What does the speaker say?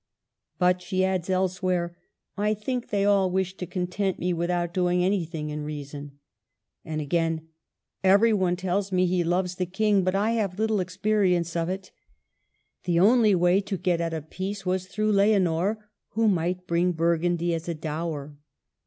*' But," she adds elsewhere, " I think they all wish to content me without doing anything in reason." And again, Every one tells me he loves the King, but I have little experience of it." The only way to get at a peace was through Leonor, who might bring Burgundy as a dower.